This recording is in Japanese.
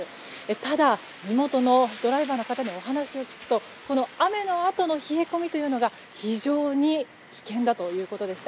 ただ、地元のドライバーの方にお話を聞くと、この雨のあとの冷え込みというのが非常に危険だということでした。